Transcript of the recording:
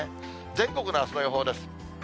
全国のあすの予報です。